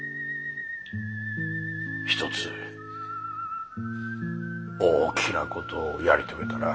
一つ大きな事をやり遂げたな。